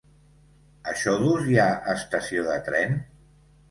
A Xodos hi ha estació de tren?